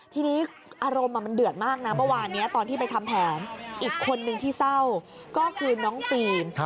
ทีนี้อารมณ์มันเดือดมากนะเมื่อวานนี้ตอนที่ไปทำแผนอีกคนนึงที่เศร้าก็คือน้องฟิล์ม